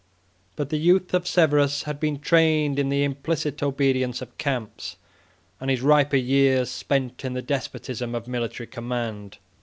But the youth of Severus had been trained in the implicit obedience of camps, and his riper years spent in the despotism of military command.